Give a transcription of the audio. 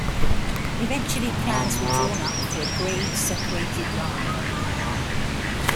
Eventually plans were drawn up for a grade-separated line.